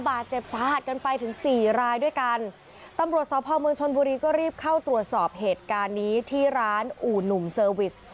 บาดเจ็บสาหัสกันไปถึงสี่รายด้วยกันตำรวจสพเมืองชนบุรีก็รีบเข้าตรวจสอบเหตุการณ์นี้ที่ร้านอู่หนุ่มเซอร์วิส